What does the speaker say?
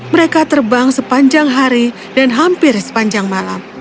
mereka terbang sepanjang hari dan hampir sepanjang malam